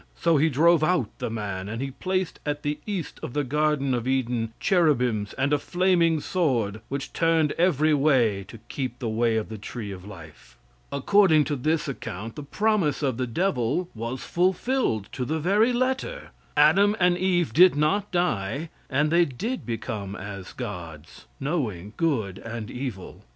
So he drove out the man, and he placed at the east of the garden of Eden cherubims and a flaming sword, which turned every way to keep the way of the tree of life." According to this account the promise of the devil was fulfilled to the very letter. Adam and Eve did not die, and they did become as gods, knowing good and evil.